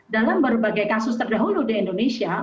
dalam berbagai kasus terdahulu di indonesia